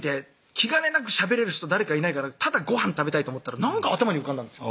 気兼ねなくしゃべれる人誰かいないかなただごはん食べたいと思ったらなんか頭に浮かんだんですよ